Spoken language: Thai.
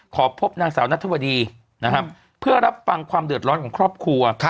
ขอพบนางสาวนัทวดีนะครับเพื่อรับฟังความเดือดร้อนของครอบครัว